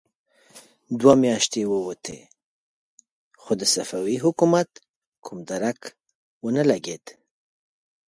دوې مياشتې ووتې، خو د صفوي حکومت کوم درک ونه لګېد.